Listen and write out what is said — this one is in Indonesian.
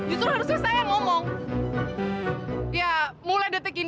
ih dasar ngajak berantem